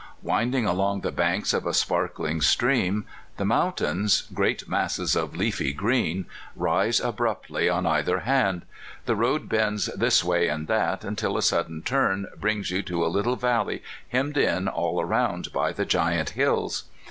Winding along the banks of a sparkling stream, the mountains great masses of leafy green rise abruptly on either hand ; the road bends this way and that until a sudden turn brings you to a little valley hemmed in all around by the giant hills.